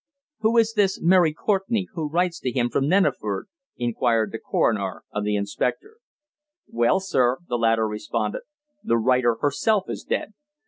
"Who is this Mary Courtenay, who writes to him from Neneford?" inquired the coroner of the inspector. "Well, sir," the latter responded, "the writer herself is dead.